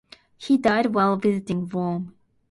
He died while visiting Rome.